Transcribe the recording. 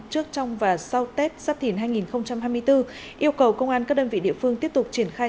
trước trong và sau tết sắp thìn hai nghìn hai mươi bốn yêu cầu công an các đơn vị địa phương tiếp tục triển khai